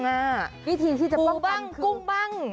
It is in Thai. จริงที่จะป้องกันคือปูบ้างกุ้มบ้าง